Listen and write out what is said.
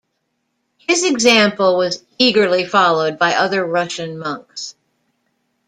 His example was eagerly followed by other Russian monks.